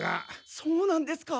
そうなんですか？